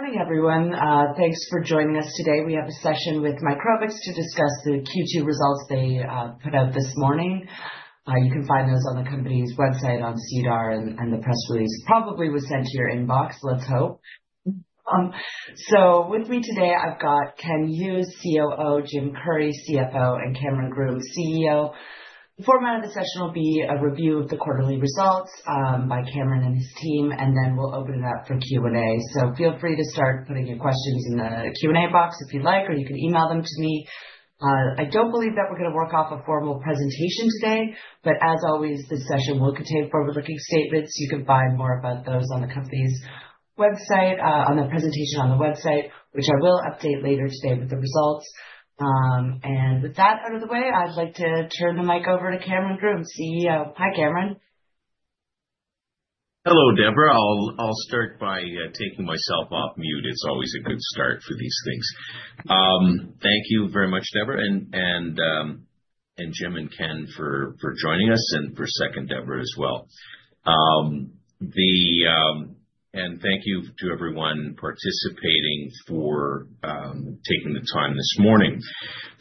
Morning, everyone. Thanks for joining us today. We have a session with Microbix to discuss the Q2 results they put out this morning. You can find those on the company's website on SEDAR, and the press release probably was sent to your inbox. Let's hope. With me today, I've got Ken Hughes, COO, Jim Currie, CFO, and Cameron Groome, CEO. The format of the session will be a review of the quarterly results by Cameron and his team, and then we'll open it up for Q&A. Feel free to start putting your questions in the Q&A box if you'd like, or you can email them to me. I don't believe that we're going to work off a formal presentation today, but as always, this session will contain forward-looking statements. You can find more about those on the company's website, on the presentation on the website, which I will update later today with the results. With that out of the way, I'd like to turn the mic over to Cameron Groome, CEO. Hi, Cameron. Hello, Deborah. I'll start by taking myself off mute. It's always a good start for these things. Thank you very much, Deborah, and Jim and Ken for joining us, and for a second, Deborah, as well. Thank you to everyone participating for taking the time this morning.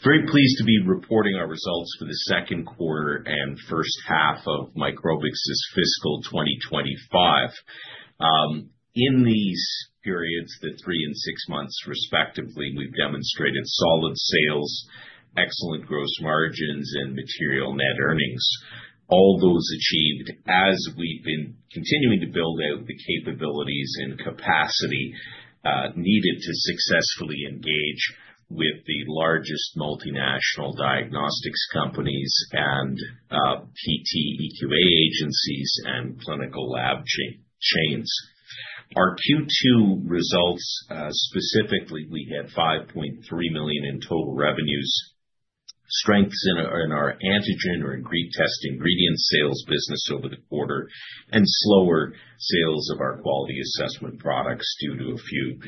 Very pleased to be reporting our results for the second quarter and first half of Microbix's fiscal 2025. In these periods, the three and six months, respectively, we've demonstrated solid sales, excellent gross margins, and material net earnings, all those achieved as we've been continuing to build out the capabilities and capacity needed to successfully engage with the largest multinational diagnostics companies and PT EQA agencies and clinical lab chains. Our Q2 results, specifically, we had 5.3 million in total revenues, strengths in our antigen or ingredient test sales business over the quarter, and slower sales of our quality assessment products due to a few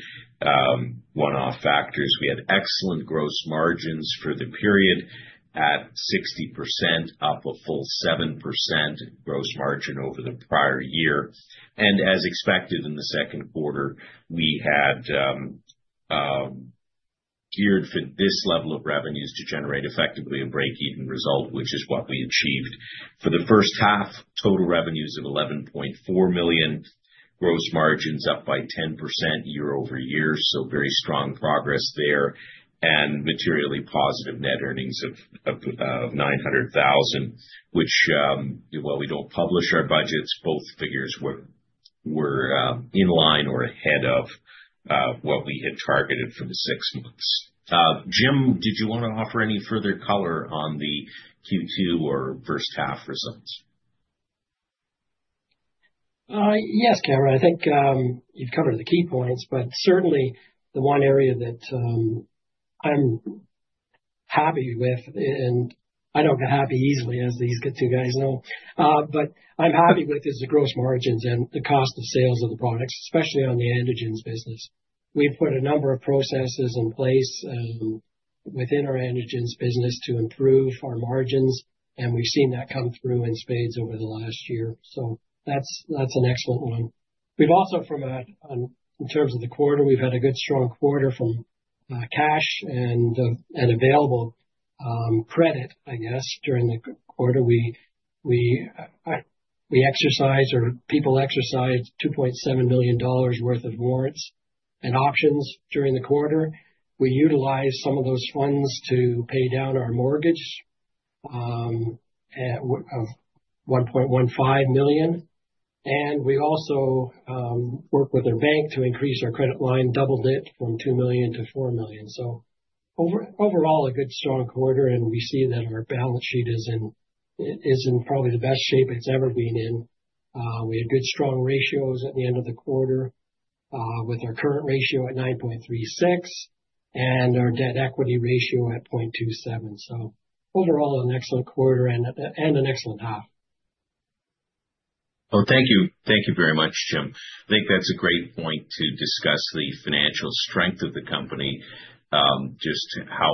one-off factors. We had excellent gross margins for the period at 60%, up a full 7% gross margin over the prior year. As expected in the second quarter, we had geared for this level of revenues to generate effectively a break-even result, which is what we achieved for the first half, total revenues of 11.4 million, gross margins up by 10% year over year. Very strong progress there and materially positive net earnings of 900,000, which, while we do not publish our budgets, both figures were in line or ahead of what we had targeted for the six months. Jim, did you want to offer any further color on the Q2 or first half results? Yes, Cameron. I think you've covered the key points, but certainly the one area that I'm happy with, and I don't get happy easily, as these two guys know, but I'm happy with is the gross margins and the cost of sales of the products, especially on the antigens business. We've put a number of processes in place within our antigens business to improve our margins, and we've seen that come through in spades over the last year. That is an excellent one. We've also, in terms of the quarter, had a good strong quarter from cash and available credit, I guess, during the quarter. We exercised, or people exercised, $2.7 million worth of warrants and options during the quarter. We utilized some of those funds to pay down our mortgage of 1.15 million. We also worked with our bank to increase our credit line, doubled it from 2 million to 4 million. Overall, a good strong quarter, and we see that our balance sheet is in probably the best shape it has ever been in. We had good strong ratios at the end of the quarter with our current ratio at 9.36 and our debt equity ratio at 0.27. Overall, an excellent quarter and an excellent half. Thank you. Thank you very much, Jim. I think that's a great point to discuss the financial strength of the company, just how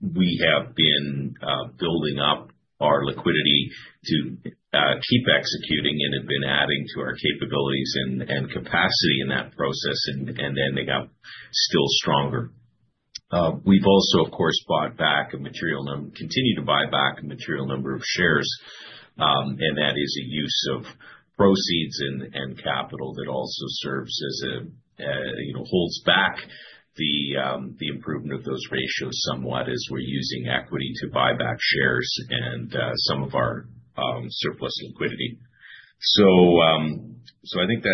we have been building up our liquidity to keep executing and have been adding to our capabilities and capacity in that process and ending up still stronger. We've also, of course, bought back a material number, continued to buy back a material number of shares, and that is a use of proceeds and capital that also serves as a holds back the improvement of those ratios somewhat as we're using equity to buy back shares and some of our surplus liquidity. I think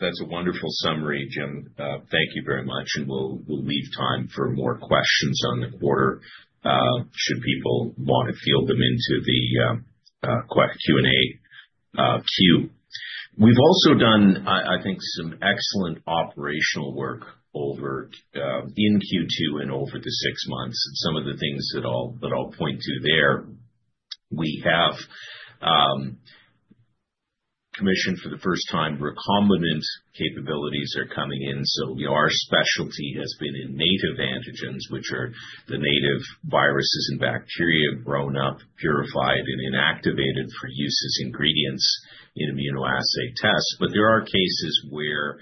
that's a wonderful summary, Jim. Thank you very much, and we'll leave time for more questions on the quarter should people want to field them into the Q&A queue. We've also done, I think, some excellent operational work in Q2 and over the six months. Some of the things that I'll point to there, we have commissioned for the first time recombinant capabilities are coming in. Our specialty has been in native antigens, which are the native viruses and bacteria grown up, purified, and inactivated for use as ingredients in immunoassay tests. There are cases where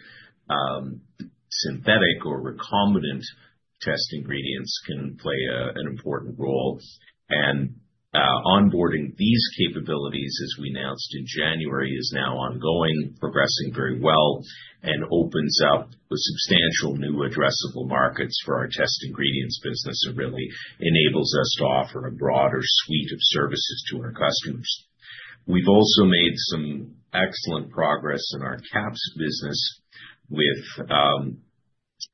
synthetic or recombinant test ingredients can play an important role. Onboarding these capabilities, as we announced in January, is now ongoing, progressing very well, and opens up substantial new addressable markets for our test ingredients business and really enables us to offer a broader suite of services to our customers. We've also made some excellent progress in our QAPs business with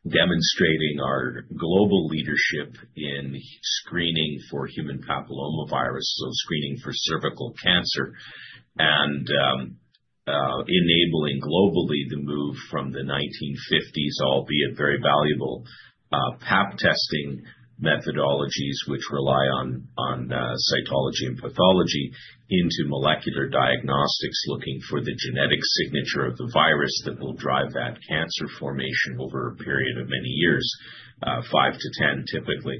demonstrating our global leadership in screening for human papillomavirus, so screening for cervical cancer, and enabling globally the move from the 1950s, albeit very valuable, pap testing methodologies, which rely on cytology and pathology, into molecular diagnostics, looking for the genetic signature of the virus that will drive that cancer formation over a period of many years, 5 to 10, typically.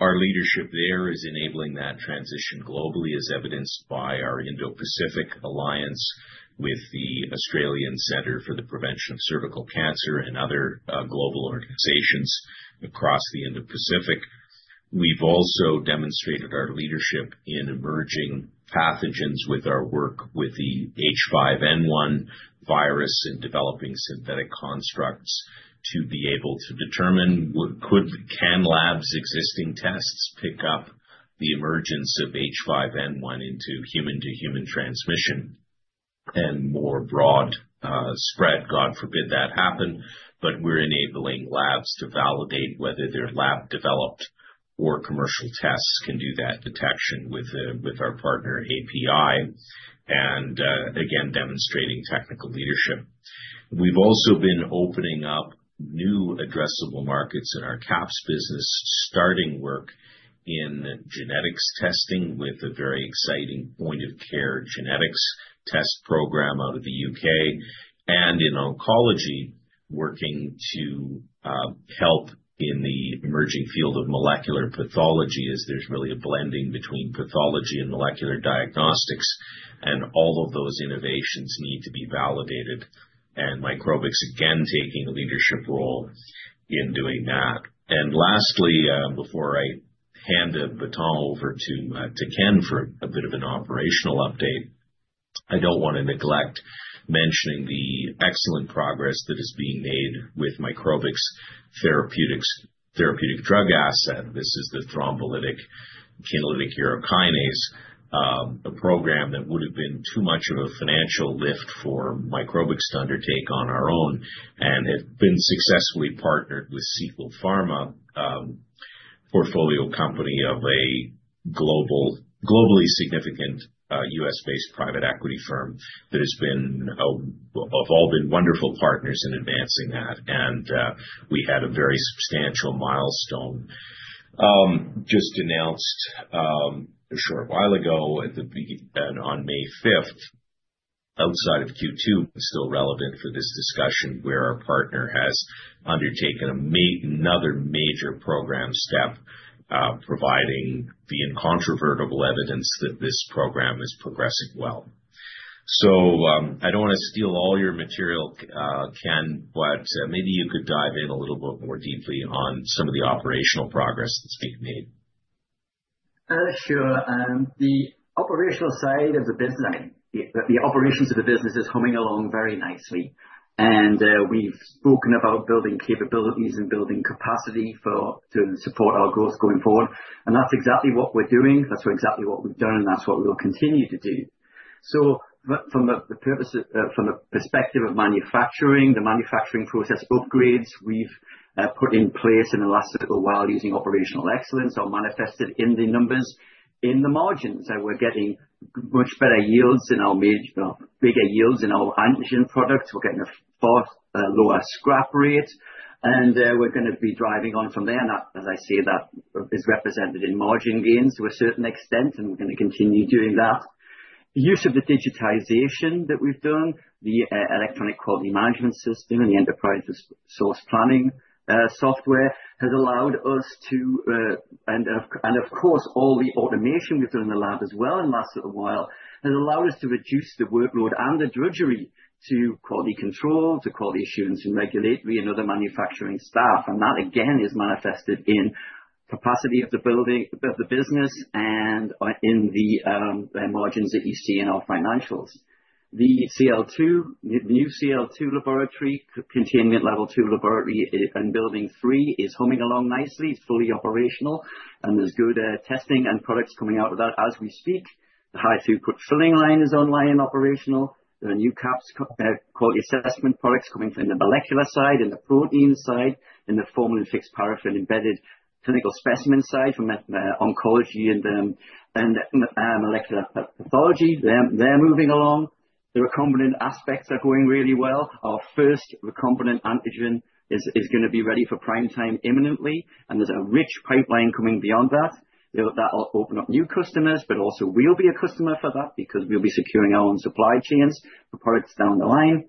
Our leadership there is enabling that transition globally, as evidenced by our Indo-Pacific alliance with the Australian Centre for the Prevention of Cervical Cancer and other global organizations across the Indo-Pacific. We've also demonstrated our leadership in emerging pathogens with our work with the H5N1 virus and developing synthetic constructs to be able to determine could labs' existing tests pick up the emergence of H5N1 into human-to-human transmission and more broad spread. God forbid that happen, but we're enabling labs to validate whether their lab-developed or commercial tests can do that detection with our partner API and, again, demonstrating technical leadership. We have also been opening up new addressable markets in our QAPs business, starting work in genetics testing with a very exciting point-of-care genetics test program out of the U.K., and in oncology, working to help in the emerging field of molecular pathology, as there is really a blending between pathology and molecular diagnostics, and all of those innovations need to be validated, and Microbix, again, taking a leadership role in doing that. Lastly, before I hand the baton over to Ken for a bit of an operational update, I do not want to neglect mentioning the excellent progress that is being made with Microbix' therapeutic drug asset. This is the thrombolytic Kinlytic urokinase, a program that would have been too much of a financial lift for Microbix to undertake on our own and have been successfully partnered with Sequel Pharma, a portfolio company of a globally significant US-based private equity firm that have all been wonderful partners in advancing that. We had a very substantial milestone just announced a short while ago on May 5th. Outside of Q2, it is still relevant for this discussion where our partner has undertaken another major program step, providing the incontrovertible evidence that this program is progressing well. I do not want to steal all your material, Ken, but maybe you could dive in a little bit more deeply on some of the operational progress that is being made. Sure. The operational side of the business, I mean, the operations of the business is humming along very nicely. We've spoken about building capabilities and building capacity to support our growth going forward. That is exactly what we're doing. That is exactly what we've done, and that is what we'll continue to do. From the perspective of manufacturing, the manufacturing process upgrades we've put in place in the last little while using operational excellence are manifested in the numbers in the margins. We're getting much better yields, bigger yields in our antigen products. We're getting a lower scrap rate, and we're going to be driving on from there. As I say, that is represented in margin gains to a certain extent, and we're going to continue doing that. The use of the digitization that we've done, the electronic quality management system and the enterprise resource planning software has allowed us to, and of course, all the automation we've done in the lab as well in the last little while has allowed us to reduce the workload and the drudgery to quality control, to quality assurance and regulatory and other manufacturing staff. That, again, is manifested in capacity of the business and in the margins that you see in our financials. The new CL2 laboratory, containment level 2 laboratory in building three, is humming along nicely. It's fully operational, and there's good testing and products coming out of that as we speak. The high-throughput filling line is online and operational. There are new QAPs quality assessment products coming from the molecular side, in the protein side, in the formalin-fixed paraffin embedded clinical specimen side for oncology and molecular pathology. They're moving along. The recombinant aspects are going really well. Our first recombinant antigen is going to be ready for prime time imminently, and there's a rich pipeline coming beyond that. That will open up new customers, but also we'll be a customer for that because we'll be securing our own supply chains for products down the line.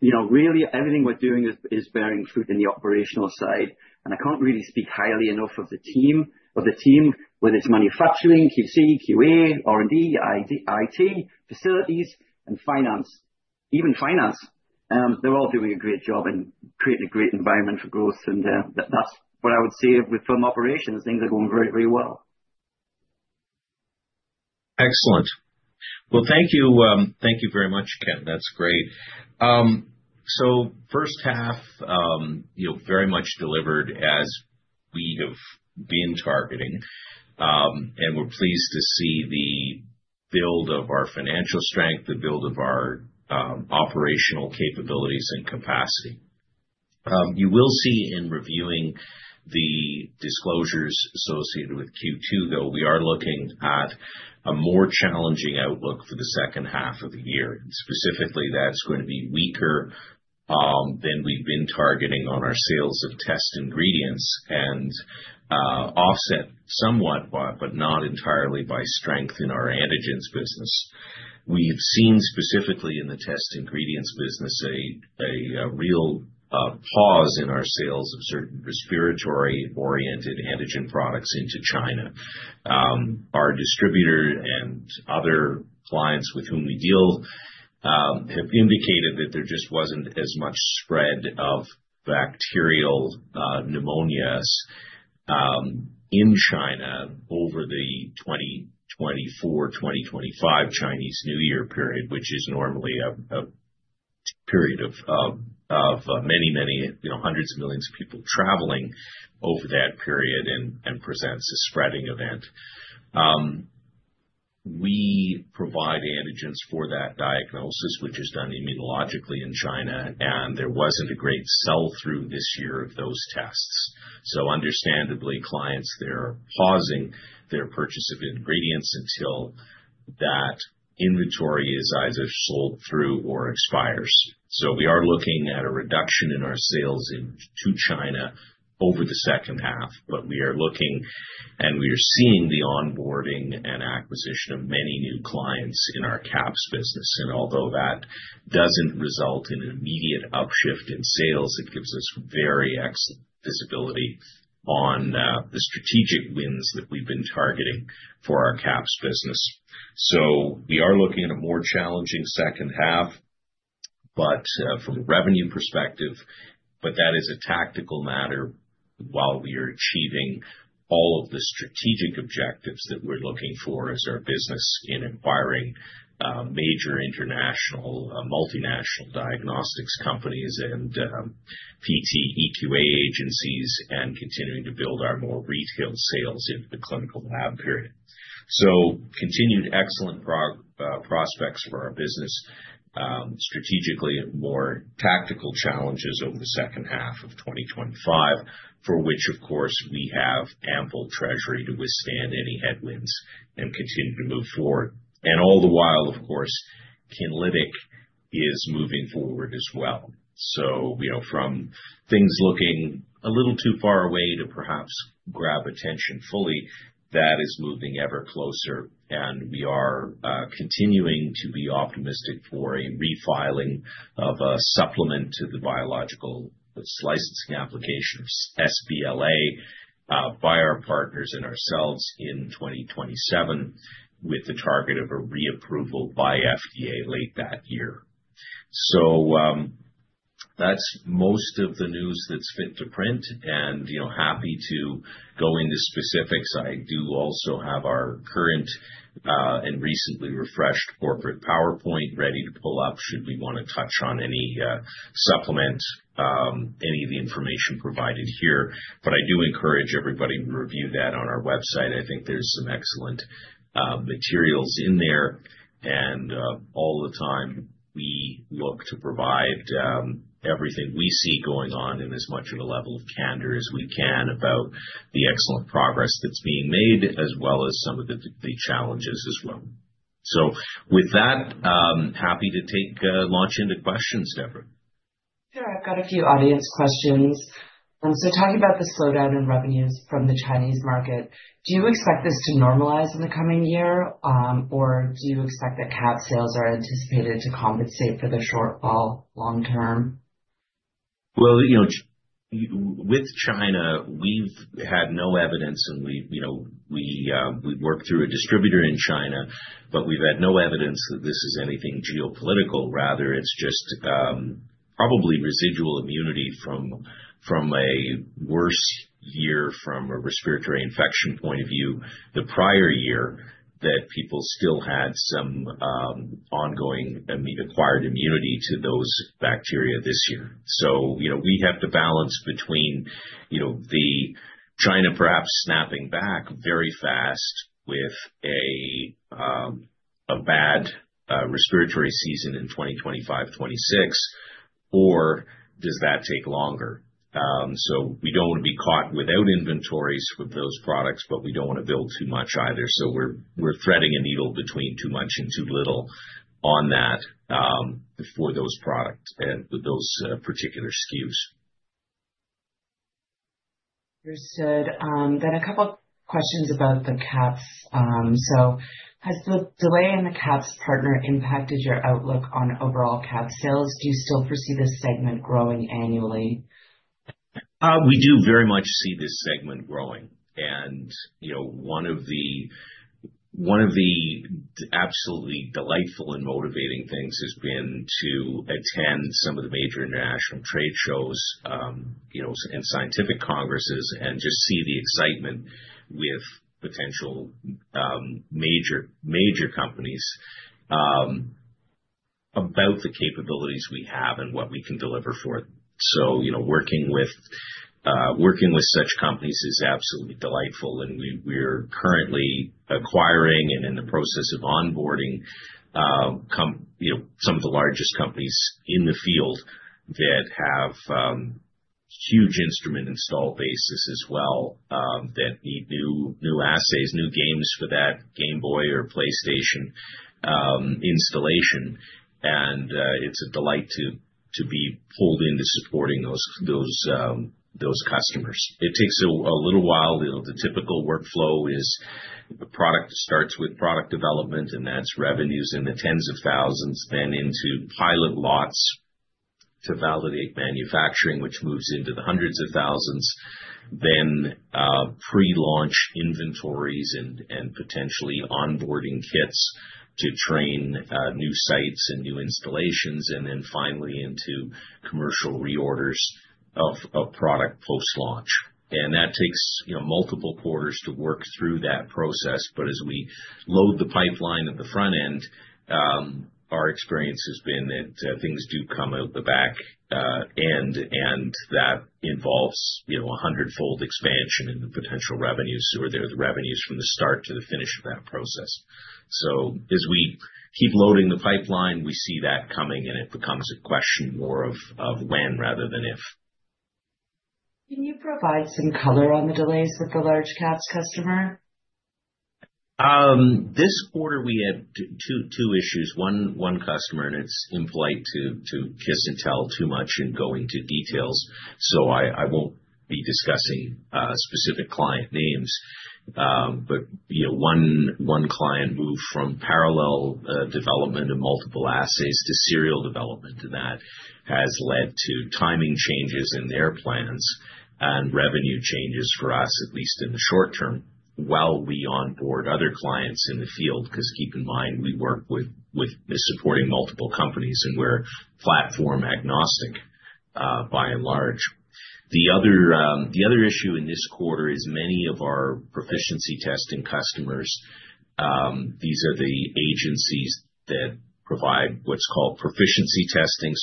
Really, everything we're doing is bearing fruit in the operational side. I can't really speak highly enough of the team, of the team with its manufacturing, QC, QA, R&D, IT, facilities, and finance. Even finance, they're all doing a great job and creating a great environment for growth. That's what I would say with firm operations. Things are going very, very well. Excellent. Thank you very much, Ken. That's great. First half, very much delivered as we have been targeting, and we're pleased to see the build of our financial strength, the build of our operational capabilities and capacity. You will see in reviewing the disclosures associated with Q2, though, we are looking at a more challenging outlook for the second half of the year. Specifically, that's going to be weaker than we've been targeting on our sales of test ingredients and offset somewhat, but not entirely, by strength in our antigens business. We have seen specifically in the test ingredients business a real pause in our sales of certain respiratory-oriented antigen products into China. Our distributor and other clients with whom we deal have indicated that there just was not as much spread of bacterial pneumonias in China over the 2024, 2025 Chinese New Year period, which is normally a period of many, many hundreds of millions of people traveling over that period and presents a spreading event. We provide antigens for that diagnosis, which is done immunologically in China, and there was not a great sell-through this year of those tests. Understandably, clients there are pausing their purchase of ingredients until that inventory is either sold through or expires. We are looking at a reduction in our sales to China over the second half, but we are looking and we are seeing the onboarding and acquisition of many new clients in our QAPs business. Although that does not result in an immediate upshift in sales, it gives us very excellent visibility on the strategic wins that we have been targeting for our QAPs business. We are looking at a more challenging second half from a revenue perspective, but that is a tactical matter while we are achieving all of the strategic objectives that we are looking for as our business in acquiring major international multinational diagnostics companies and PT EQA agencies and continuing to build our more retail sales into the clinical lab period. Continued excellent prospects for our business strategically and more tactical challenges over the second half of 2025, for which, of course, we have ample treasury to withstand any headwinds and continue to move forward. All the while, of course, Kinlytic is moving forward as well. From things looking a little too far away to perhaps grab attention fully, that is moving ever closer. We are continuing to be optimistic for a refiling of a supplement to the Biological Licensing Application, or SBLA, by our partners and ourselves in 2027 with the target of a reapproval by FDA late that year. That is most of the news that is fit to print, and happy to go into specifics. I do also have our current and recently refreshed corporate PowerPoint ready to pull up should we want to touch on any supplement, any of the information provided here. I do encourage everybody to review that on our website. I think there is some excellent materials in there. All the time, we look to provide everything we see going on in as much of a level of candor as we can about the excellent progress that is being made, as well as some of the challenges as well. With that, happy to launch into questions, Deborah. Sure. I've got a few audience questions. Talking about the slowdown in revenues from the Chinese market, do you expect this to normalize in the coming year, or do you expect that QAPs sales are anticipated to compensate for the shortfall long-term? With China, we've had no evidence, and we work through a distributor in China, but we've had no evidence that this is anything geopolitical. Rather, it's just probably residual immunity from a worse year from a respiratory infection point of view, the prior year that people still had some ongoing acquired immunity to those bacteria this year. We have to balance between China perhaps snapping back very fast with a bad respiratory season in 2025-2026, or does that take longer? We do not want to be caught without inventories with those products, but we do not want to build too much either. We're threading a needle between too much and too little on that for those products and with those particular SKUs. Understood. Then a couple of questions about the QAPs. Has the delay in the QAPs partner impacted your outlook on overall CAP sales? Do you still foresee this segment growing annually? We do very much see this segment growing. One of the absolutely delightful and motivating things has been to attend some of the major international trade shows and scientific congresses and just see the excitement with potential major companies about the capabilities we have and what we can deliver for it. Working with such companies is absolutely delightful. We are currently acquiring and in the process of onboarding some of the largest companies in the field that have huge instrument install bases as well that need new assays, new games for that Game Boy or PlayStation installation. It is a delight to be pulled into supporting those customers. It takes a little while. The typical workflow is the product starts with product development, and that's revenues in the tens of thousands, then into pilot lots to validate manufacturing, which moves into the hundreds of thousands, then pre-launch inventories and potentially onboarding kits to train new sites and new installations, and then finally into commercial reorders of product post-launch. That takes multiple quarters to work through that process. As we load the pipeline at the front end, our experience has been that things do come out the back end, and that involves a hundred-fold expansion in the potential revenues or the revenues from the start to the finish of that process. As we keep loading the pipeline, we see that coming, and it becomes a question more of when rather than if. Can you provide some color on the delays with the large QAPs customer? This quarter, we had two issues, one customer, and it's impolite to kiss and tell too much and go into details. I won't be discussing specific client names. One client moved from parallel development of multiple assays to serial development, and that has led to timing changes in their plans and revenue changes for us, at least in the short term, while we onboard other clients in the field. Keep in mind, we work with supporting multiple companies, and we're platform agnostic by and large. The other issue in this quarter is many of our proficiency testing customers, these are the agencies that provide what's called proficiency testing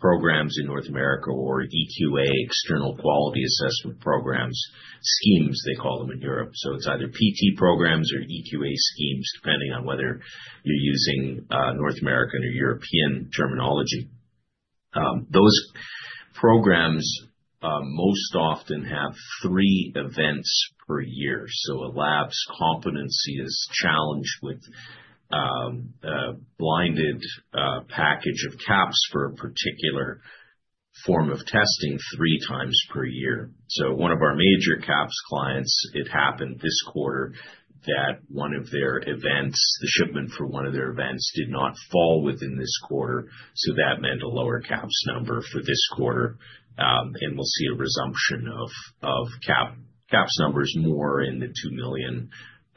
programs in North America or EQA, external quality assessment programs, schemes they call them in Europe. It's either PT programs or EQA schemes, depending on whether you're using North American or European terminology. Those programs most often have three events per year. A lab's competency is challenged with a blinded package of QAPs for a particular form of testing three times per year. One of our major QAPs clients, it happened this quarter that one of their events, the shipment for one of their events did not fall within this quarter. That meant a lower QAPs number for this quarter. We'll see a resumption of QAPs numbers more in the 2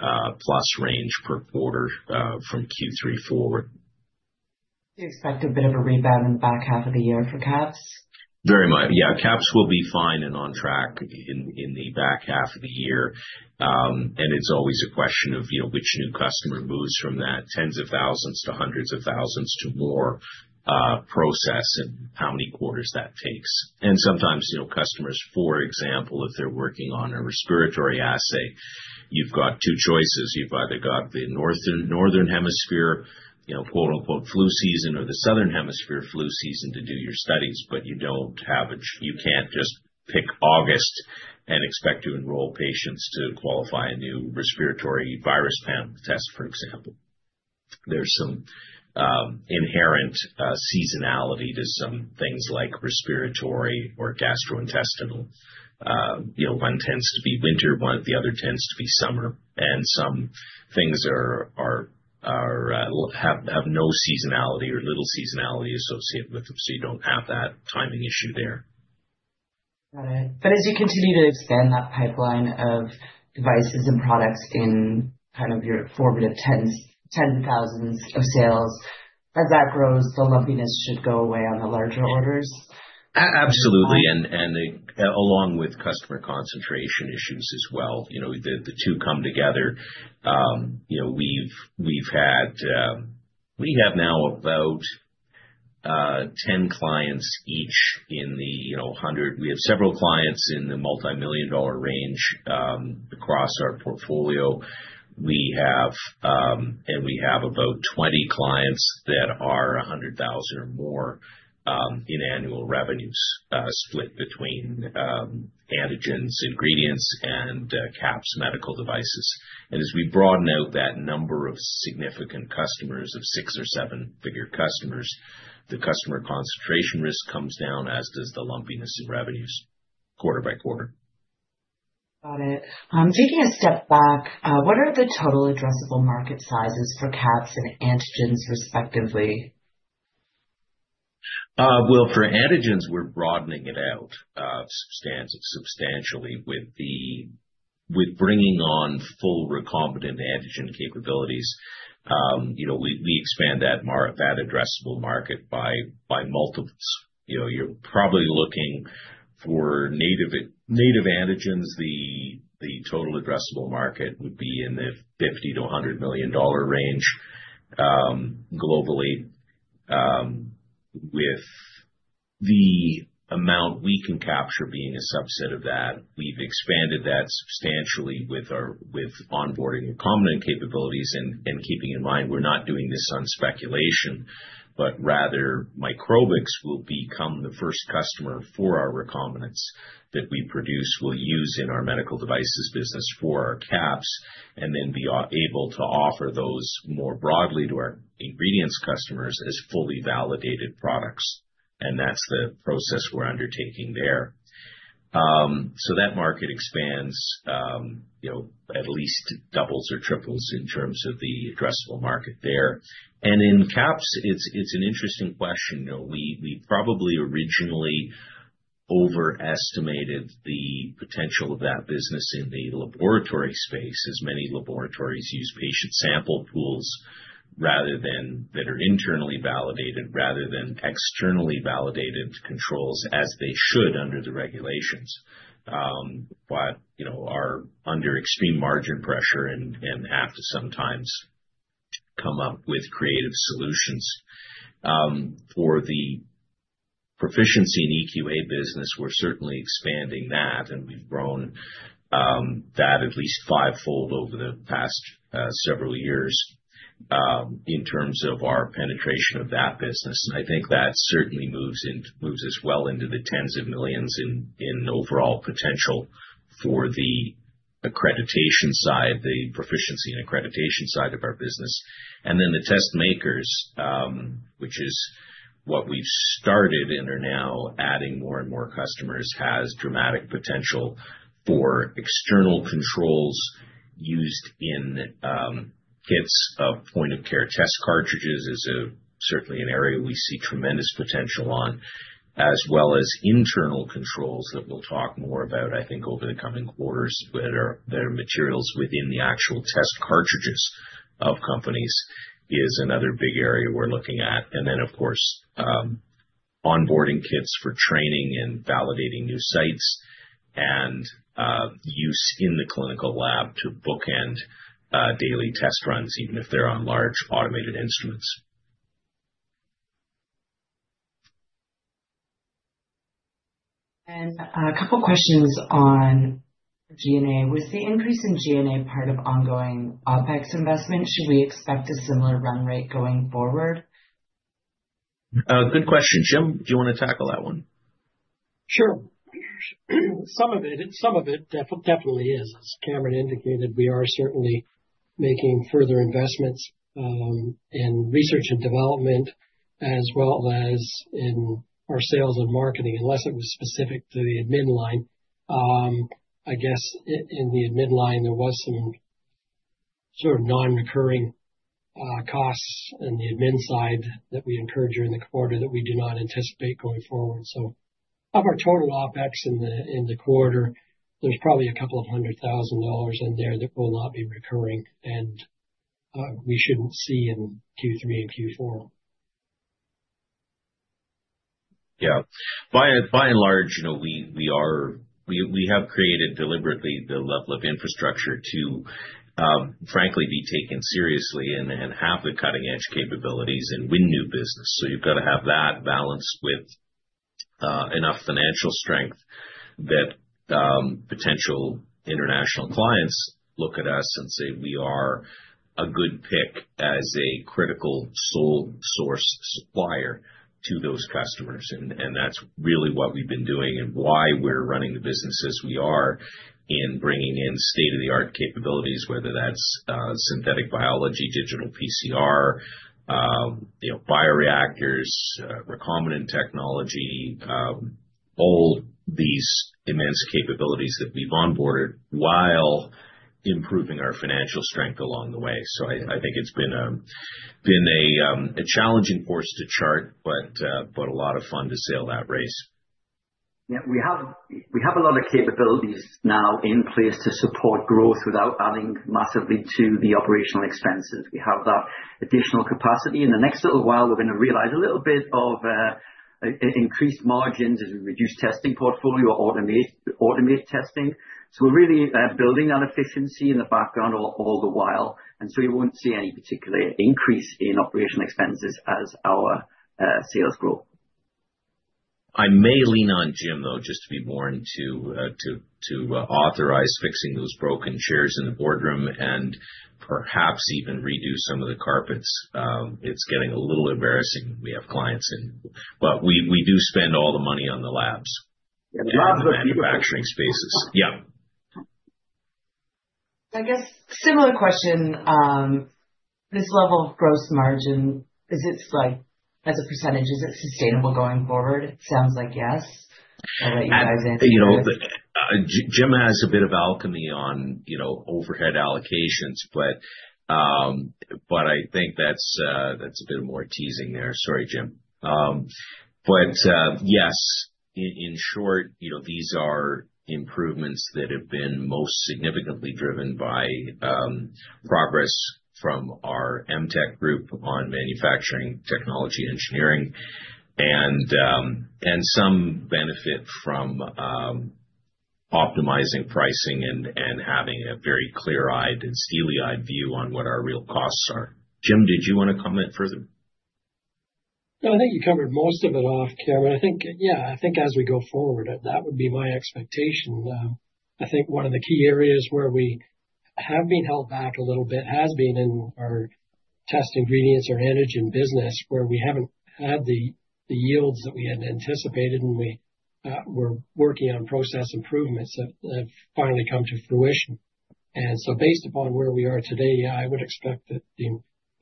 million-plus range per quarter from Q3 forward. Do you expect a bit of a rebound in the back half of the year for QAPs? Very much. Yeah. QAPs will be fine and on track in the back half of the year. It's always a question of which new customer moves from that tens of thousands to hundreds of thousands to more process and how many quarters that takes. Sometimes customers, for example, if they're working on a respiratory assay, you've got two choices. You've either got the northern hemisphere, quote-unquote, "flu season" or the southern hemisphere "flu season" to do your studies, but you can't just pick August and expect to enroll patients to qualify a new respiratory virus panel test, for example. There's some inherent seasonality to some things like respiratory or gastrointestinal. One tends to be winter, the other tends to be summer, and some things have no seasonality or little seasonality associated with them. You don't have that timing issue there. Got it. As you continue to expand that pipeline of devices and products in kind of your formative tens of thousands of sales, as that grows, the lumpiness should go away on the larger orders? Absolutely. Along with customer concentration issues as well. The two come together. We have now about 10 clients each in the 100. We have several clients in the multi-million dollar range across our portfolio. We have about 20 clients that are $100,000 or more in annual revenues split between antigens, ingredients, and QAPs medical devices. As we broaden out that number of significant customers of six or seven-figure customers, the customer concentration risk comes down, as does the lumpiness in revenues quarter-by-quarter. Got it. Taking a step back, what are the total addressable market sizes for QAPs and antigens respectively? For antigens, we're broadening it out substantially with bringing on full recombinant antigen capabilities. We expand that addressable market by multiples. You're probably looking for native antigens. The total addressable market would be in the $50 million-$100 million range globally. With the amount we can capture being a subset of that, we've expanded that substantially with onboarding recombinant capabilities. Keeping in mind, we're not doing this on speculation, but rather Microbix will become the first customer for our recombinants that we produce, will use in our medical devices business for our QAPs, and then be able to offer those more broadly to our ingredients customers as fully validated products. That's the process we're undertaking there. That market expands, at least doubles or triples in terms of the addressable market there. In QAPs, it's an interesting question. We probably originally overestimated the potential of that business in the laboratory space as many laboratories use patient sample pools that are internally validated rather than externally validated controls, as they should under the regulations, but are under extreme margin pressure and have to sometimes come up with creative solutions. For the proficiency and EQA business, we're certainly expanding that, and we've grown that at least fivefold over the past several years in terms of our penetration of that business. I think that certainly moves as well into the tens of millions in overall potential for the accreditation side, the proficiency and accreditation side of our business. The test makers, which is what we've started and are now adding more and more customers, has dramatic potential for external controls used in kits of point-of-care test cartridges, is certainly an area we see tremendous potential on, as well as internal controls that we'll talk more about, I think, over the coming quarters. There are materials within the actual test cartridges of companies, is another big area we're looking at. Of course, onboarding kits for training and validating new sites and use in the clinical lab to bookend daily test runs, even if they're on large automated instruments. A couple of questions on G&A. Was the increase in G&A part of ongoing OpEx investment? Should we expect a similar run rate going forward? Good question. Jim, do you want to tackle that one? Sure. Some of it definitely is. As Cameron indicated, we are certainly making further investments in research and development as well as in our sales and marketing, unless it was specific to the admin line. I guess in the admin line, there was some sort of non-recurring costs in the admin side that we incurred during the quarter that we do not anticipate going forward. So of our total OpEx in the quarter, there's probably a couple of hundred thousand dollars in there that will not be recurring, and we shouldn't see in Q3 and Q4. Yeah. By and large, we have created deliberately the level of infrastructure to, frankly, be taken seriously and have the cutting-edge capabilities and win new business. You have to have that balanced with enough financial strength that potential international clients look at us and say, "We are a good pick as a critical sole source supplier to those customers." That is really what we have been doing and why we are running the business as we are in bringing in state-of-the-art capabilities, whether that is synthetic biology, digital PCR, bioreactors, recombinant technology, all these immense capabilities that we have onboarded while improving our financial strength along the way. I think it has been a challenging force to chart, but a lot of fun to sail that race. Yeah. We have a lot of capabilities now in place to support growth without adding massively to the operational expenses. We have that additional capacity. In the next little while, we're going to realize a little bit of increased margins as we reduce testing portfolio or automate testing. We are really building that efficiency in the background all the while. You will not see any particular increase in operational expenses as our sales grow. I may lean on Jim, though, just to be more into authorized fixing those broken chairs in the boardroom and perhaps even redo some of the carpets. It's getting a little embarrassing. We have clients in. We do spend all the money on the labs. Labs are a few. Manufacturing spaces. Yeah. I guess similar question. This level of gross margin, as a percentage, is it sustainable going forward? It sounds like yes. I'll let you guys answer. Jim has a bit of alchemy on overhead allocations, but I think that's a bit more teasing there. Sorry, Jim. Yes, in short, these are improvements that have been most significantly driven by progress from our MTech group on manufacturing technology engineering and some benefit from optimizing pricing and having a very clear-eyed and steely-eyed view on what our real costs are. Jim, did you want to comment further? Yeah. I think you covered most of it off, Cameron. Yeah. I think as we go forward, that would be my expectation. I think one of the key areas where we have been held back a little bit has been in our test ingredients or antigen business, where we haven't had the yields that we had anticipated, and we were working on process improvements that have finally come to fruition. Based upon where we are today, I would expect that the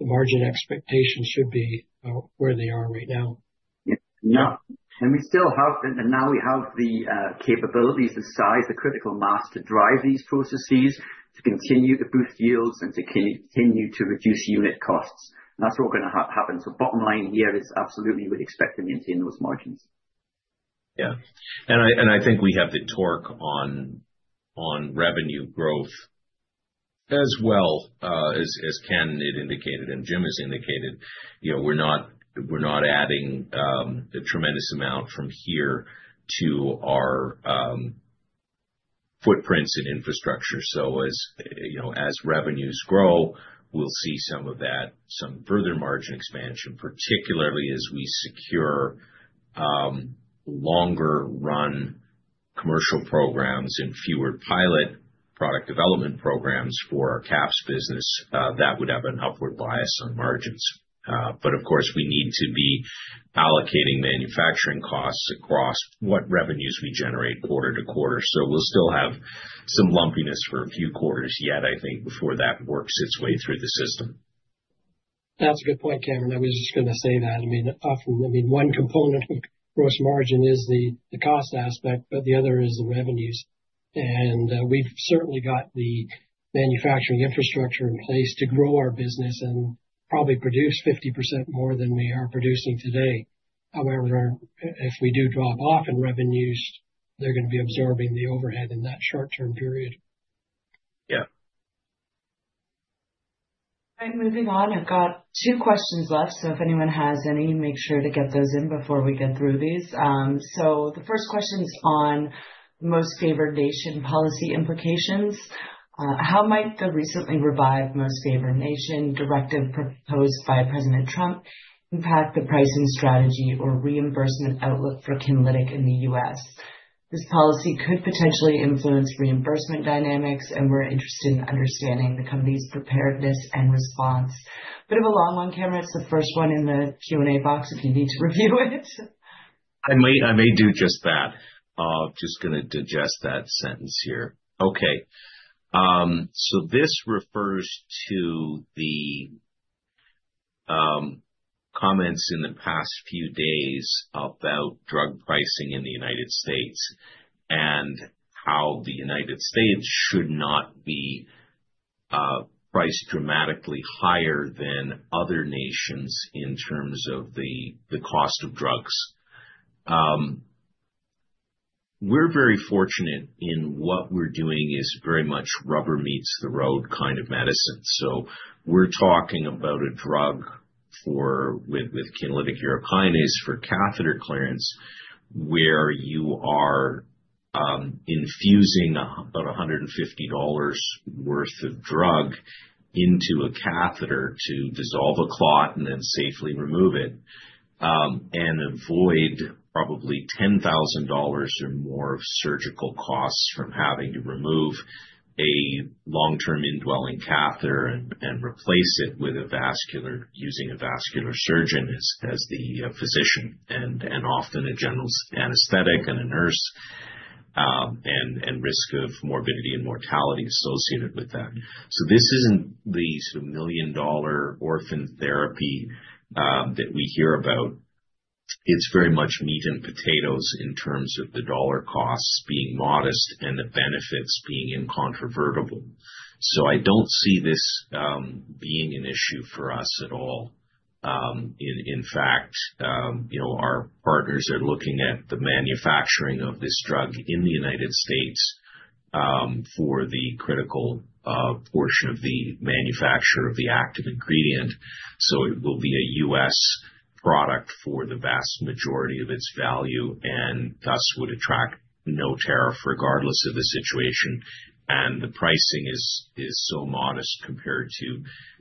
margin expectation should be where they are right now. Yeah. We still have the, now we have the capabilities, the size, the critical mass to drive these processes to continue to boost yields and to continue to reduce unit costs. That is what we are going to have happen. Bottom line here, it is absolutely, we would expect to maintain those margins. Yeah. I think we have the torque on revenue growth as well as Ken had indicated and Jim has indicated. We're not adding a tremendous amount from here to our footprints and infrastructure. As revenues grow, we'll see some of that, some further margin expansion, particularly as we secure longer-run commercial programs and fewer pilot product development programs for our QAPs business. That would have an upward bias on margins. Of course, we need to be allocating manufacturing costs across what revenues we generate quarter to quarter. We'll still have some lumpiness for a few quarters yet, I think, before that works its way through the system. That's a good point, Cameron. I was just going to say that. I mean, one component of gross margin is the cost aspect, but the other is the revenues. We've certainly got the manufacturing infrastructure in place to grow our business and probably produce 50% more than we are producing today. However, if we do drop off in revenues, they're going to be absorbing the overhead in that short-term period. Yeah. All right. Moving on. I've got two questions left. If anyone has any, make sure to get those in before we get through these. The first question is on most favored nation policy implications. How might the recently revived most favored nation directive proposed by President Trump impact the pricing strategy or reimbursement outlook for Kinlytic in the U.S.? This policy could potentially influence reimbursement dynamics, and we're interested in understanding the company's preparedness and response. Bit of a long one, Cameron. It's the first one in the Q&A box if you need to review it. I may do just that. I'm just going to digest that sentence here. Okay. This refers to the comments in the past few days about drug pricing in the United States and how the United States should not be priced dramatically higher than other nations in terms of the cost of drugs. We're very fortunate in what we're doing is very much rubber meets the road kind of medicine. We're talking about a drug with Kinlytic urokinase for catheter clearance where you are infusing about $150 worth of drug into a catheter to dissolve a clot and then safely remove it and avoid probably $10,000 or more of surgical costs from having to remove a long-term indwelling catheter and replace it using a vascular surgeon as the physician and often a general anesthetic and a nurse and risk of morbidity and mortality associated with that. This is not the sort of million-dollar orphan therapy that we hear about. It is very much meat and potatoes in terms of the dollar costs being modest and the benefits being incontrovertible. I do not see this being an issue for us at all. In fact, our partners are looking at the manufacturing of this drug in the United States for the critical portion of the manufacture of the active ingredient. It will be a US product for the vast majority of its value and thus would attract no tariff regardless of the situation. The pricing is so modest compared to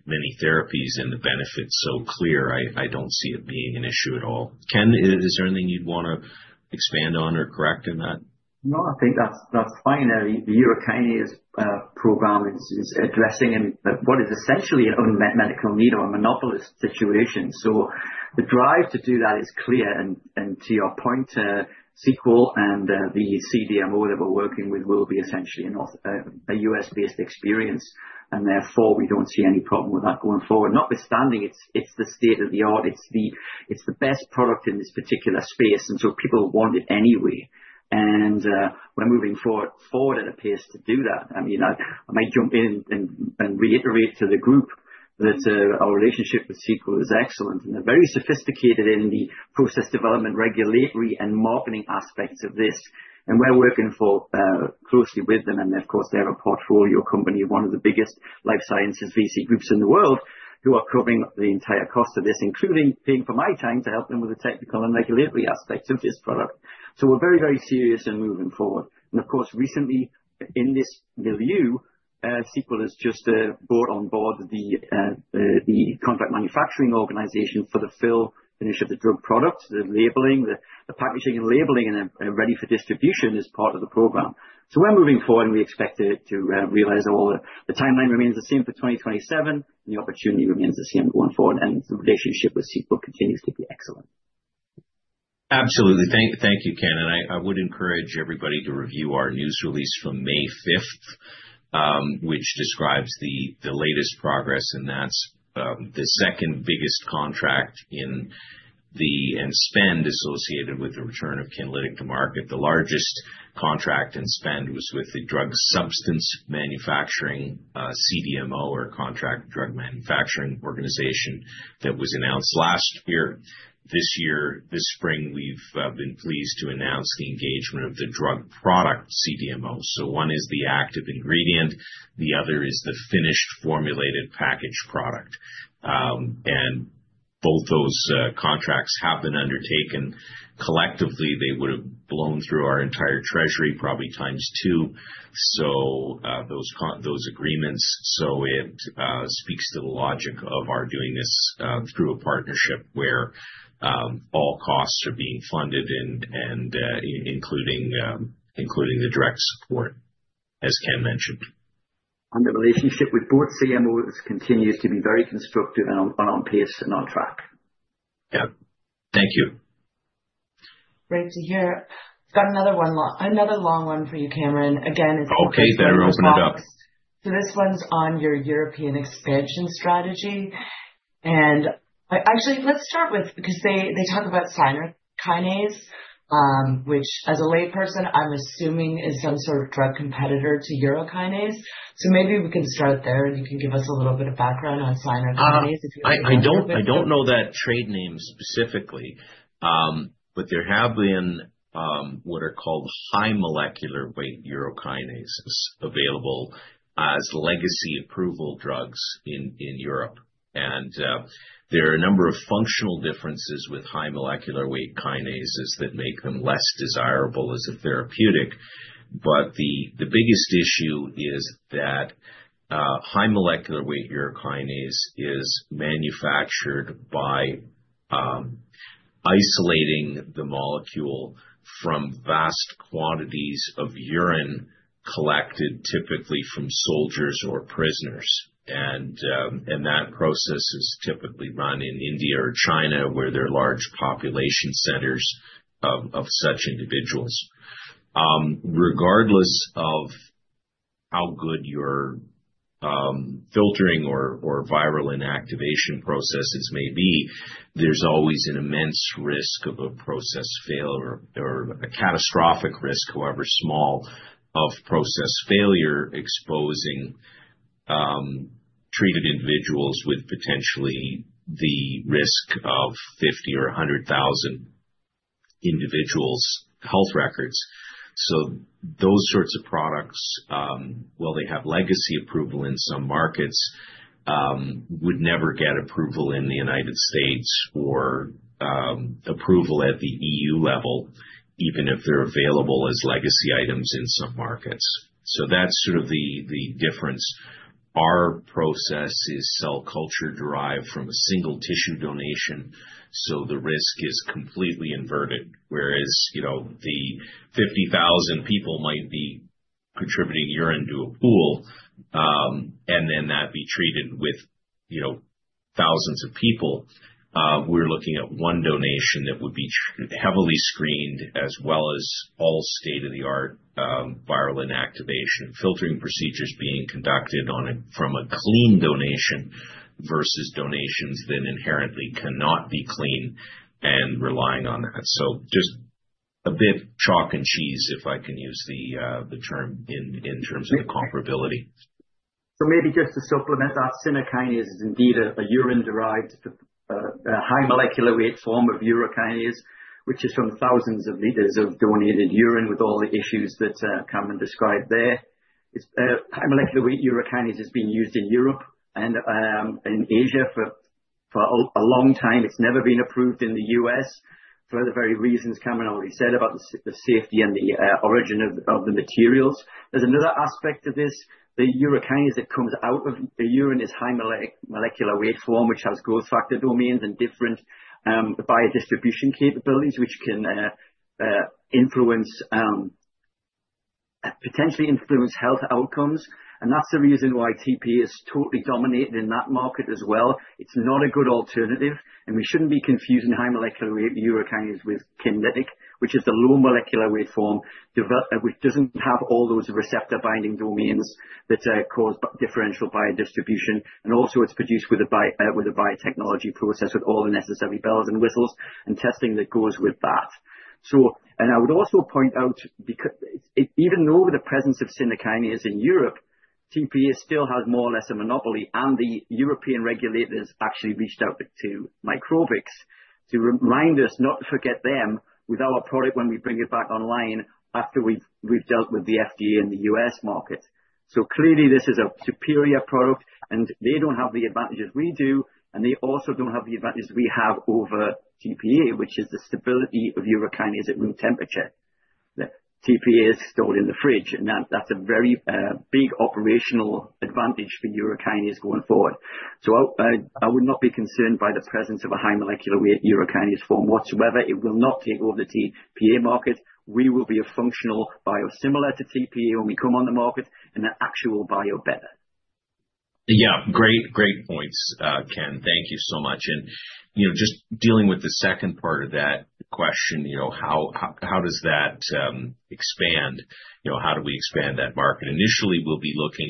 many therapies and the benefits so clear, I do not see it being an issue at all. Ken, is there anything you would want to expand on or correct in that? No, I think that's fine. The urokinase program is addressing what is essentially an unmet medical need or a monopolist situation. The drive to do that is clear. To your point, Sequel and the CDMO that we're working with will be essentially a U.S.-based experience. Therefore, we don't see any problem with that going forward. Notwithstanding, it's the state of the art. It's the best product in this particular space. People want it anyway. We're moving forward, it appears to do that. I mean, I may jump in and reiterate to the group that our relationship with Sequel is excellent. They're very sophisticated in the process development, regulatory, and marketing aspects of this. We're working closely with them. Of course, they're a portfolio company, one of the biggest life sciences VC groups in the world, who are covering the entire cost of this, including paying for my time to help them with the technical and regulatory aspects of this product. We're very, very serious in moving forward. Recently, in this milieu, Sequel has just brought on board the contract manufacturing organization for the fill initiative drug product, the labeling, the packaging, and labeling and ready for distribution as part of the program. We're moving forward, and we expect to realize all the timeline remains the same for 2027, and the opportunity remains the same going forward. The relationship with Sequel continues to be excellent. Absolutely. Thank you, Ken. I would encourage everybody to review our news release from May 5th, which describes the latest progress. That is the second biggest contract in the and spend associated with the return of Kinlytic to market. The largest contract and spend was with the drug substance manufacturing CDMO or contract drug manufacturing organization that was announced last year. This year, this spring, we have been pleased to announce the engagement of the drug product CDMO. One is the active ingredient. The other is the finished formulated package product. Both those contracts have been undertaken. Collectively, they would have blown through our entire treasury probably times two, those agreements. It speaks to the logic of our doing this through a partnership where all costs are being funded, including the direct support, as Ken mentioned. The relationship with both CMOs continues to be very constructive and on pace and on track. Yeah. Thank you. Great to hear. I've got another long one for you, Cameron. Again, it's the. Okay. Better open it up. This one's on your European expansion strategy. Actually, let's start with because they talk about Syner-Kinase, which as a layperson, I'm assuming is some sort of drug competitor to urokinase. Maybe we can start there. You can give us a little bit of background on Syner-Kinase if you're familiar. I don't know that trade name specifically, but there have been what are called high molecular weight urokinases available as legacy approval drugs in Europe. There are a number of functional differences with high molecular weight kinases that make them less desirable as a therapeutic. The biggest issue is that high molecular weight urokinase is manufactured by isolating the molecule from vast quantities of urine collected typically from soldiers or prisoners. That process is typically run in India or China, where there are large population centers of such individuals. Regardless of how good your filtering or viral inactivation processes may be, there's always an immense risk of a process failure or a catastrophic risk, however small, of process failure exposing treated individuals with potentially the risk of 50,000 or 100,000 individuals' health records. Those sorts of products, while they have legacy approval in some markets, would never get approval in the United States or approval at the EU level, even if they're available as legacy items in some markets. That's sort of the difference. Our process is cell culture derived from a single tissue donation. The risk is completely inverted. Whereas 50,000 people might be contributing urine to a pool and then that be treated with thousands of people, we're looking at one donation that would be heavily screened as well as all state-of-the-art viral inactivation and filtering procedures being conducted from a clean donation versus donations that inherently cannot be clean and relying on that. Just a bit chalk and cheese, if I can use the term in terms of the comparability. Maybe just to supplement that, Syner-Kinase is indeed a high molecular weight form of urokinase, which is from thousands of liters of donated urine with all the issues that Cameron described there. High molecular weight urokinase has been used in Europe and in Asia for a long time. It has never been approved in the U.S. for the very reasons Cameron already said about the safety and the origin of the materials. There is another aspect of this. The urokinase that comes out of the urine is high molecular weight form, which has growth factor domains and different biodistribution capabilities, which can potentially influence health outcomes. That is the reason why tissue plasminogen activator is totally dominated in that market as well. It is not a good alternative. We should not be confusing high molecular weight urokinase with Kinlytic, which is the low molecular weight form, which does not have all those receptor binding domains that cause differential biodistribution. It is produced with a biotechnology process with all the necessary bells and whistles and testing that goes with that. I would also point out, even though the presence of Syner-Kinase in Europe, TPA still has more or less a monopoly. The European regulators actually reached out to Microbix to remind us not to forget them with our product when we bring it back online after we have dealt with the FDA and the U.S. market. Clearly, this is a superior product. They do not have the advantages we do. They also do not have the advantages we have over TPA, which is the stability of urokinase at room temperature. TPA is stored in the fridge. That is a very big operational advantage for urokinase going forward. I would not be concerned by the presence of a high molecular weight urokinase form whatsoever. It will not take over the TPA market. We will be a functional biosimilar to TPA when we come on the market and an actual bio better. Yeah. Great points, Ken. Thank you so much. Just dealing with the second part of that question, how does that expand? How do we expand that market? Initially, we'll be looking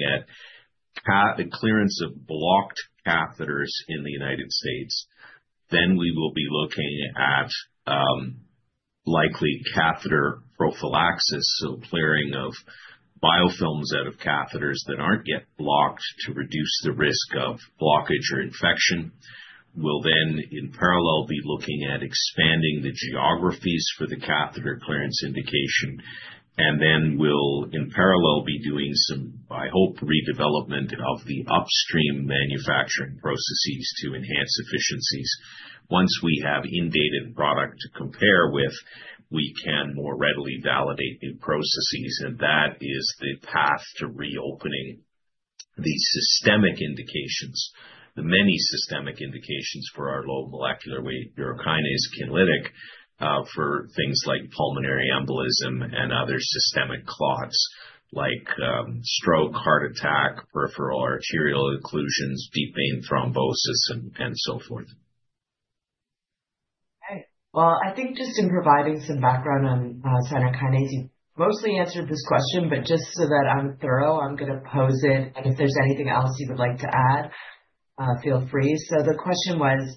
at clearance of blocked catheters in the United States. Then we will be looking at likely catheter prophylaxis, so clearing of biofilms out of catheters that aren't yet blocked to reduce the risk of blockage or infection. We'll then, in parallel, be looking at expanding the geographies for the catheter clearance indication. We'll, in parallel, be doing some, I hope, redevelopment of the upstream manufacturing processes to enhance efficiencies. Once we have indeed a product to compare with, we can more readily validate new processes. That is the path to reopening the systemic indications, the many systemic indications for our low molecular weight urokinase Kinlytic for things like pulmonary embolism and other systemic clots like stroke, heart attack, peripheral arterial occlusions, deep vein thrombosis, and so forth. Okay. I think just in providing some background on Syner-Kinase, you mostly answered this question, but just so that I'm thorough, I'm going to pose it. If there's anything else you would like to add, feel free. The question was,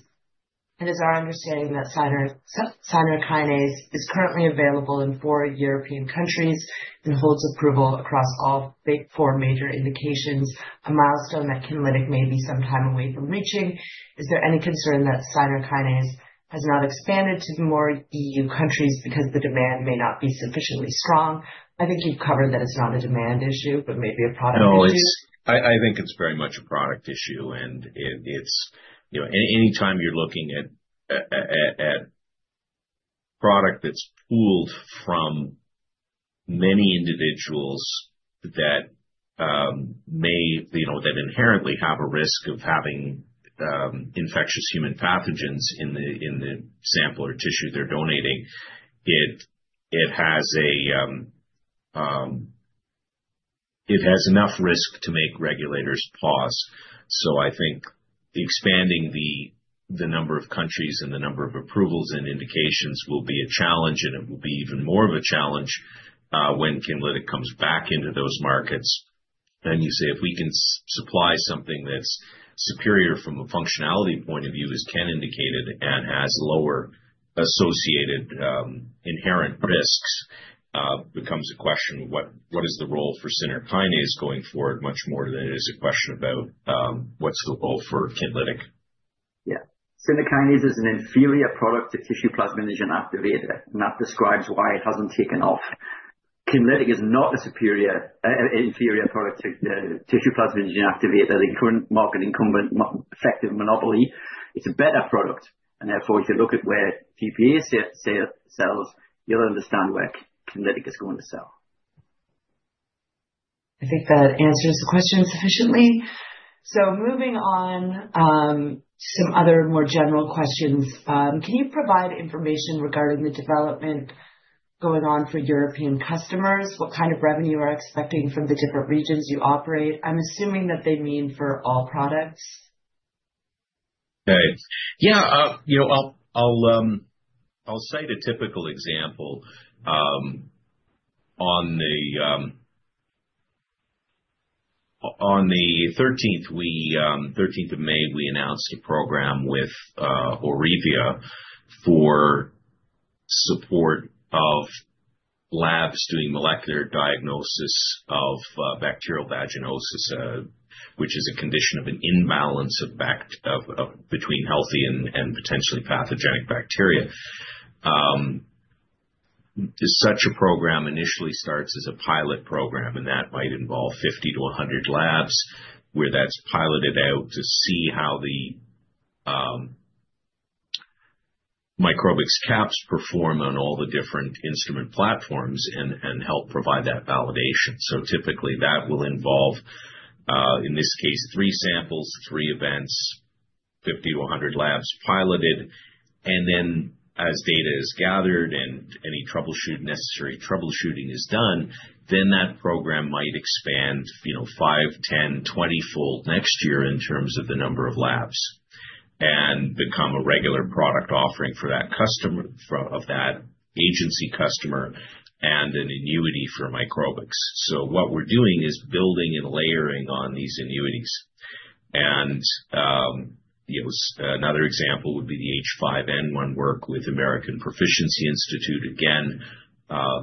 it is our understanding that Syner-Kinase is currently available in four European countries and holds approval across all four major indications, a milestone that Kinlytic may be sometime away from reaching. Is there any concern that Syner-Kinase has not expanded to more EU countries because the demand may not be sufficiently strong? I think you've covered that it's not a demand issue, but maybe a product issue. No, I think it's very much a product issue. Anytime you're looking at a product that's pooled from many individuals that may inherently have a risk of having infectious human pathogens in the sample or tissue they're donating, it has enough risk to make regulators pause. I think expanding the number of countries and the number of approvals and indications will be a challenge. It will be even more of a challenge when Kinlytic comes back into those markets. You say, if we can supply something that's superior from a functionality point of view, as Ken indicated, and has lower associated inherent risks, it becomes a question of what is the role for Syner-Kinase going forward much more than it is a question about what's the role for Kinlytic. Yeah. Syner-Kinase is an inferior product to tissue plasminogen activator and that describes why it hasn't taken off. Kinlytic is not an inferior product to tissue plasminogen activator, the current market effective monopoly. It's a better product. Therefore, if you look at where TPA sells, you'll understand where Kinlytic is going to sell. I think that answers the question sufficiently. Moving on to some other more general questions. Can you provide information regarding the development going on for European customers? What kind of revenue are you expecting from the different regions you operate? I'm assuming that they mean for all products. Okay. Yeah. I'll say the typical example. On the 13th of May, we announced a program with Aurevia for support of labs doing molecular diagnosis of bacterial vaginosis, which is a condition of an imbalance between healthy and potentially pathogenic bacteria. Such a program initially starts as a pilot program, and that might involve 50-100 labs where that's piloted out to see how the Microbix QAPs perform on all the different instrument platforms and help provide that validation. Typically, that will involve, in this case, three samples, three events, 50-100 labs piloted. As data is gathered and any necessary troubleshooting is done, that program might expand 5-10-20-fold next year in terms of the number of labs and become a regular product offering for that agency customer and an annuity for Microbix. What we're doing is building and layering on these annuities. Another example would be the H5N1 work with American Proficiency Institute. Again,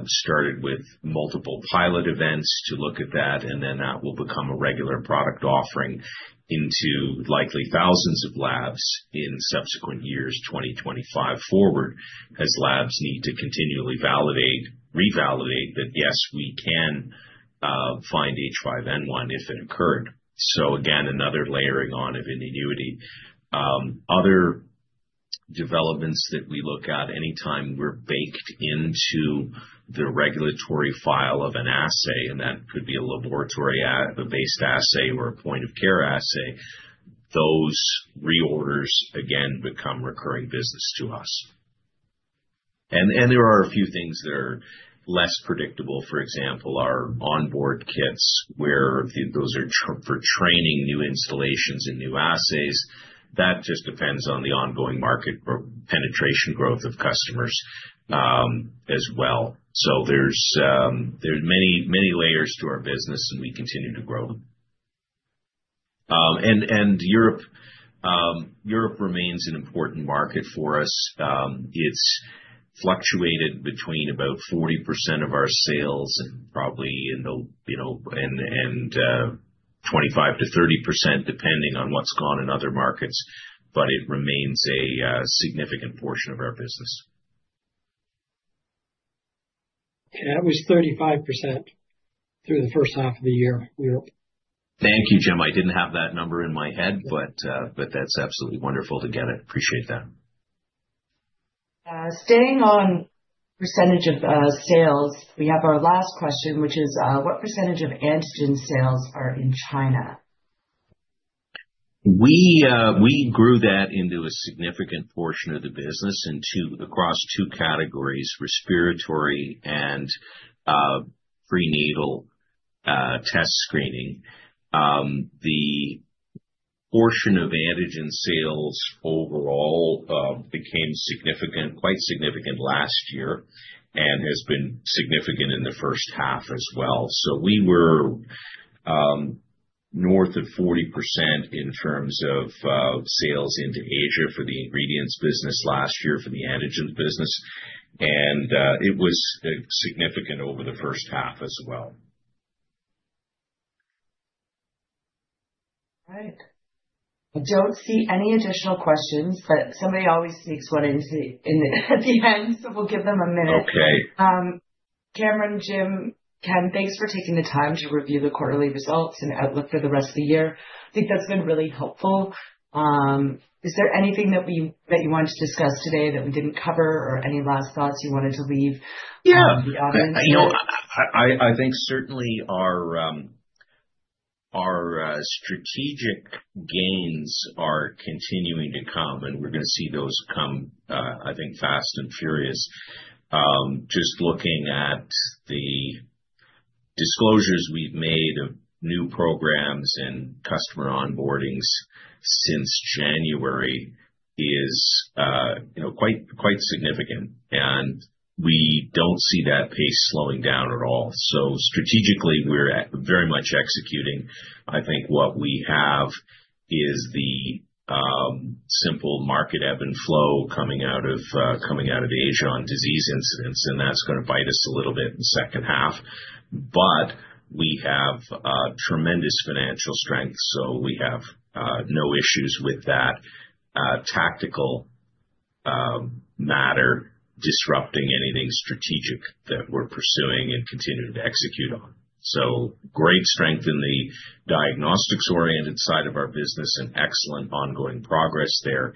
started with multiple pilot events to look at that. That will become a regular product offering into likely thousands of labs in subsequent years, 2025 forward, as labs need to continually revalidate that, yes, we can find H5N1 if it occurred. Again, another layering on of an annuity. Other developments that we look at anytime we're baked into the regulatory file of an assay, and that could be a laboratory-based assay or a point of care assay, those reorders, again, become recurring business to us. There are a few things that are less predictable. For example, our onboard kits where those are for training new installations and new assays. That just depends on the ongoing market penetration growth of customers as well. There are many layers to our business, and we continue to grow them. Europe remains an important market for us. It has fluctuated between about 40% of our sales and probably in the 25-30% range, depending on what has gone on in other markets. It remains a significant portion of our business. Okay. That was 35% through the first half of the year, Europe. Thank you, Jim. I didn't have that number in my head, but that's absolutely wonderful to get it. Appreciate that. Staying on percentage of sales, we have our last question, which is, what percentage of antigen sales are in China? We grew that into a significant portion of the business across two categories, respiratory and prenatal test screening. The portion of antigen sales overall became quite significant last year and has been significant in the first half as well. We were north of 40% in terms of sales into Asia for the ingredients business last year for the antigen business. It was significant over the first half as well. All right. I do not see any additional questions, but somebody always sneaks one in at the end, so we will give them a minute. Okay. Cameron, Jim, Ken, thanks for taking the time to review the quarterly results and outlook for the rest of the year. I think that's been really helpful. Is there anything that you wanted to discuss today that we didn't cover or any last thoughts you wanted to leave the audience? Yeah. I think certainly our strategic gains are continuing to come. We're going to see those come, I think, fast and furious. Just looking at the disclosures we've made of new programs and customer onboardings since January is quite significant. We don't see that pace slowing down at all. Strategically, we're very much executing. I think what we have is the simple market ebb and flow coming out of Asia on disease incidents. That's going to bite us a little bit in the second half. We have tremendous financial strength, so we have no issues with that tactical matter disrupting anything strategic that we're pursuing and continuing to execute on. Great strength in the diagnostics-oriented side of our business and excellent ongoing progress there,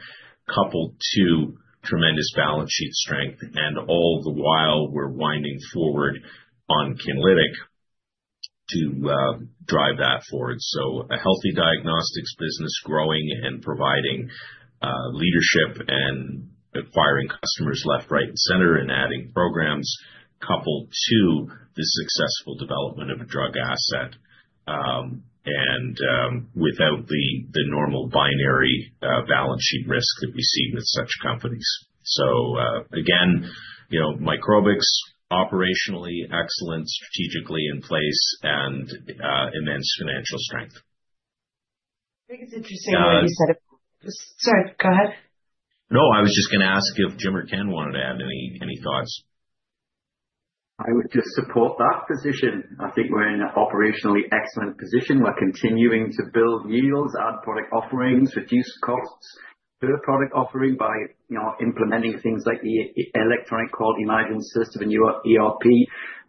coupled to tremendous balance sheet strength. All the while, we're winding forward on Kinlytic to drive that forward. A healthy diagnostics business growing and providing leadership and acquiring customers left, right, and center and adding programs coupled to the successful development of a drug asset and without the normal binary balance sheet risk that we see with such companies. Again, Microbix operationally excellent, strategically in place, and immense financial strength. I think it's interesting that you said it. Sorry. Go ahead. No, I was just going to ask if Jim or Ken wanted to add any thoughts. I would just support that position. I think we're in an operationally excellent position. We're continuing to build yields, add product offerings, reduce costs per product offering by implementing things like the electronic quality management system and ERP.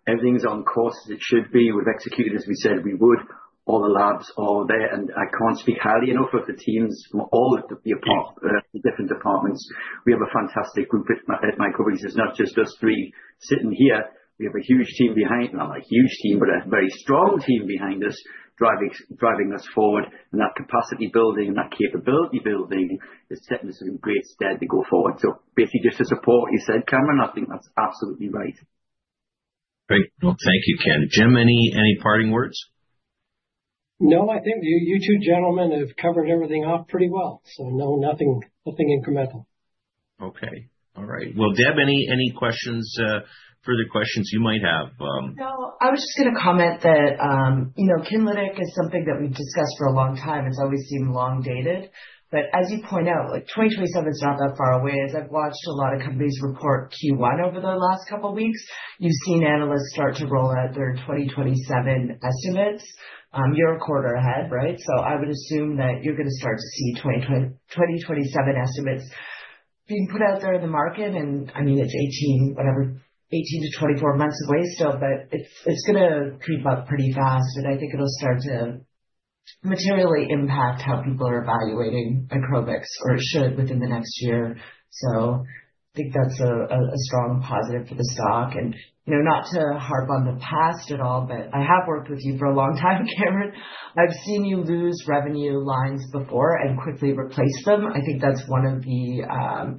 Everything's on course as it should be. We've executed, as we said, we would. All the labs are there. I can't speak highly enough of the teams from all the different departments. We have a fantastic group at Microbix. It's not just us three sitting here. We have a huge team behind, not a huge team, but a very strong team behind us driving us forward. That capacity building and that capability building is setting us in a great stead to go forward. Basically, just to support what you said, Cameron, I think that's absolutely right. Great. Thank you, Ken. Jim, any parting words? No, I think you two gentlemen have covered everything up pretty well. No, nothing incremental. Okay. All right. Deb, any questions, further questions you might have? No, I was just going to comment that Kinlytic is something that we've discussed for a long time. It's always seemed long-dated. As you point out, 2027 is not that far away. As I've watched a lot of companies report Q1 over the last couple of weeks, you've seen analysts start to roll out their 2027 estimates. You're a quarter ahead, right? I would assume that you're going to start to see 2027 estimates being put out there in the market. I mean, it's 18, whatever, 18-24 months away still, but it's going to creep up pretty fast. I think it'll start to materially impact how people are evaluating Microbix, or it should within the next year. I think that's a strong positive for the stock. Not to harp on the past at all, but I have worked with you for a long time, Cameron. I've seen you lose revenue lines before and quickly replace them. I think that's one of the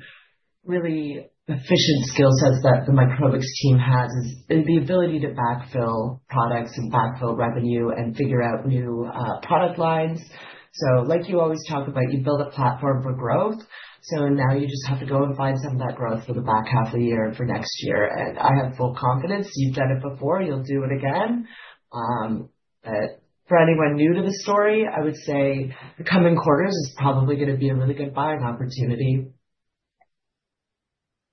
really efficient skill sets that the Microbix team has is the ability to backfill products and backfill revenue and figure out new product lines. Like you always talk about, you build a platform for growth. Now you just have to go and find some of that growth for the back half of the year and for next year. I have full confidence you've done it before. You'll do it again. For anyone new to the story, I would say the coming quarters is probably going to be a really good buying opportunity.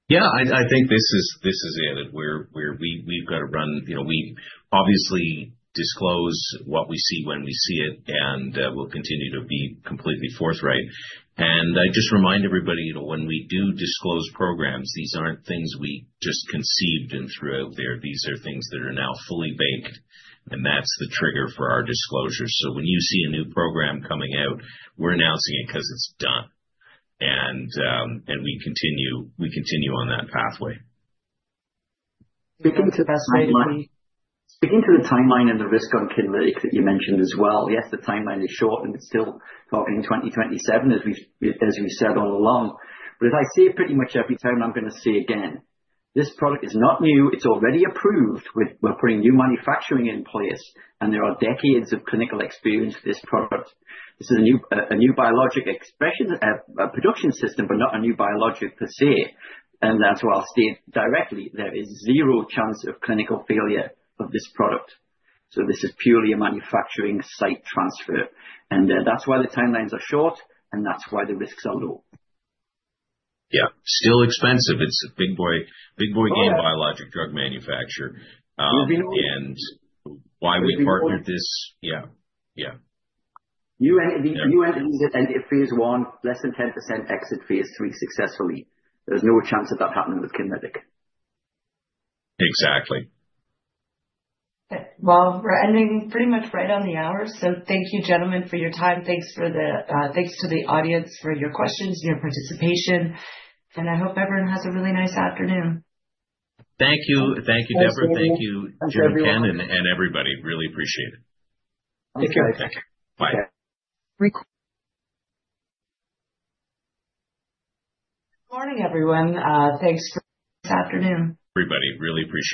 Yeah. I think this is it. We've got to run. We obviously disclose what we see when we see it, and we'll continue to be completely forthright. I just remind everybody, when we do disclose programs, these aren't things we just conceived and threw out there. These are things that are now fully baked. That's the trigger for our disclosure. When you see a new program coming out, we're announcing it because it's done. We continue on that pathway. Speaking to the best way to speaking to the timeline and the risk on Kinlytic that you mentioned as well. Yes, the timeline is short, and it's still talking 2027, as we said all along. As I say pretty much every time, I'm going to say again, this product is not new. It's already approved. We're putting new manufacturing in place. There are decades of clinical experience for this product. This is a new biologic production system, but not a new biologic per se. That's why I'll state directly, there is zero chance of clinical failure of this product. This is purely a manufacturing site transfer. That's why the timelines are short, and that's why the risks are low. Yeah. Still expensive. It's a big boy game, biologic drug manufacturer. And why we partnered this? Yeah. Yeah. New entities at entry phase one, less than 10% exit phase three successfully. There's no chance of that happening with Kinlytic. Exactly. Okay. We are ending pretty much right on the hour. Thank you, gentlemen, for your time. Thanks to the audience for your questions, your participation. I hope everyone has a really nice afternoon. Thank you. Thank you, Deborah. Thank you, Jim and Ken, and everybody. Really appreciate it. Take care. Take care. Bye. Good morning, everyone. Thanks this afternoon. Everybody, really appreciate.